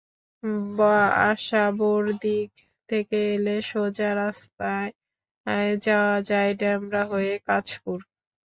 বাসাবোর দিক থেকে এলে সোজা রাস্তায় যাওয়া যায় ডেমরা হয়ে কাঁচপুর।